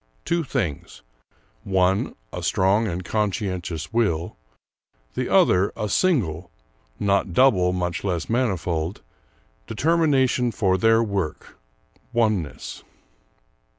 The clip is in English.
Two things: one a strong and conscientious will, the other a single not double, much less manifold determination for their work, oneness.